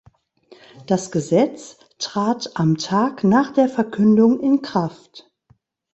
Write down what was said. Das Gesetz trat am Tag nach der Verkündung in Kraft.